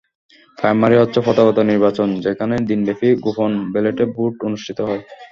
Primary হচ্ছে প্রথাগত নির্বাচন, যেখানে দিনব্যাপী গোপন ব্যালটে ভোট অনুষ্ঠিত হয়।